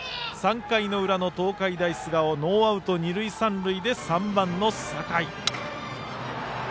３回裏、東海大菅生ノーアウト、二塁三塁で３番、酒井。